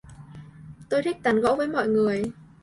tôi thích tán gẫu với mọi người